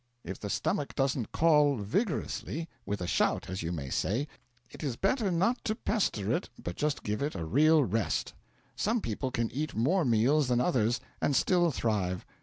If the stomach doesn't call vigorously with a shout, as you may say it is better not to pester it but just give it a real rest. Some people can eat more meals than others, and still thrive.